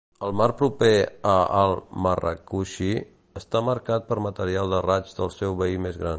El mar proper a Al-Marrakushi està marcat per material de raigs del seu veí més gran.